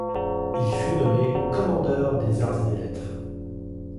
Il fut nommé Commandeur des arts et des lettres.